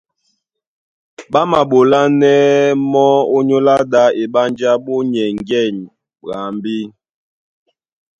Ɓá maɓolánɛ́ mɔ́ ónyólá ɗā, eɓánjá ɓó nyɛŋgɛ̂ny ɓwambí.